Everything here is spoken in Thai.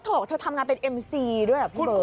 เธอทำงานเป็นเอ็มซีด้วยเหรอพี่เบิร์